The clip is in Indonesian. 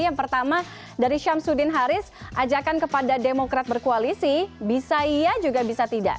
yang pertama dari syamsuddin haris ajakan kepada demokrat berkoalisi bisa iya juga bisa tidak